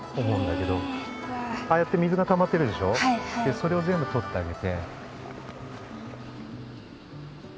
それを全部とってあげて。